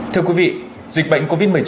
thưa quý vị dịch bệnh covid một mươi chín